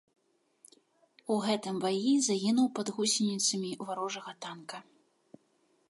У гэтым баі загінуў пад гусеніцамі варожага танка.